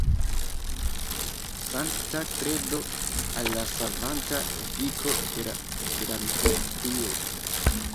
Sankta kredo al la savanta efiko de la filantropio!